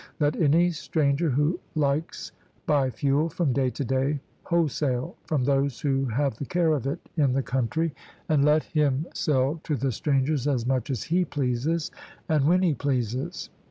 Let any stranger who likes buy fuel from day to day wholesale, from those who have the care of it in the country, and let him sell to the strangers as much as he pleases and when he pleases.